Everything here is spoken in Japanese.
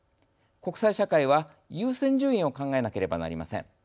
国際社会は優先順位を考えなければなりません。